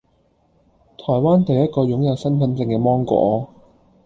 台灣第一個擁有身分證嘅芒果